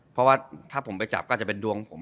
เพราะว่าถ้าผมไปจับก็อาจจะเป็นดวงผม